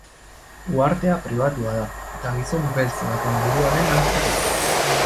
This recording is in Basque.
Uhartea pribatua da, eta gizon beltz baten buruaren antza du.